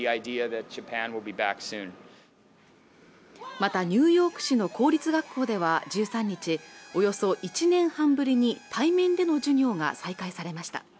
またニューヨーク市の公立学校では１３日およそ１年半ぶりに対面での授業が再開されました